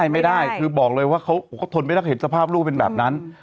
ไม่ได้คือบอกเลยว่าเขาก็ทนไม่รักเห็นสภาพลูกเป็นแบบนั้น